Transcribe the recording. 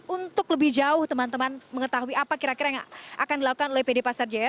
untuk lebih jauh teman teman mengetahui apa kira kira yang akan dilakukan oleh pd pasar jaya